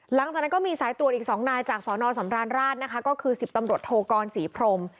หลังจากนั้นก็มีสายตรวจอีก๒นายจากสนสำราญราชนะคะก็คือ๑๐ตำรวจโทกรศรีพรม